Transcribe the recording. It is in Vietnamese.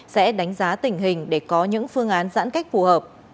sẽ đánh giá tình hình để có những phương án giãn cách phù hợp